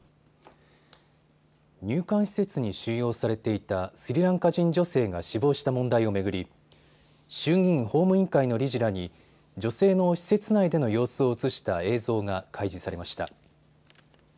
入管施設に収容されていたスリランカ人女性が死亡した問題を巡り衆議院法務委員会の理事らに女性の施設の施設内での様子を写した映像が開示されました。